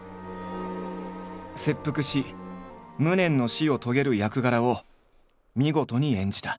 切腹し無念の死を遂げる役柄を見事に演じた。